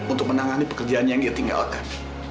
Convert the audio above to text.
untuk menangani pekerjaan yang dia tinggalkan